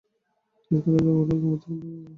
তুমি কোথাও যাওয়ার আগে আমাদের বলে যাবে।